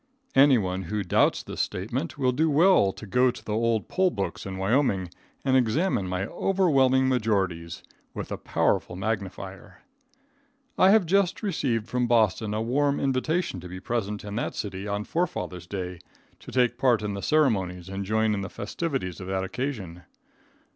Anyone who doubts this statement, will do well to go to the old poll books in Wyoming and examine my overwhelming majorities with a powerful magnifier. I have just received from Boston a warm invitation to be present in that city on Forefathers' day, to take part in the ceremonies and join in the festivities of that occasion.